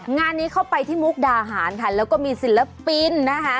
งานนี้เข้าไปที่มุกดาหารค่ะแล้วก็มีศิลปินนะคะ